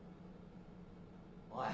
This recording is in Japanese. ・おい